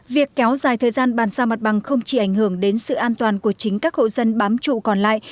việc kéo dài thời gian bàn giao mặt bằng không chỉ ảnh hưởng đến sự an toàn của chính các hộ dân bám trụ còn lại